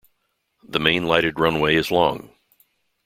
The main lighted runway is long.